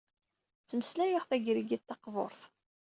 Ttmeslayeɣ tagrigit taqbuṛt.